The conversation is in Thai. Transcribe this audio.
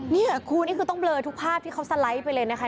นี่คุณนี่คือต้องเลอทุกภาพที่เขาสไลด์ไปเลยนะคะ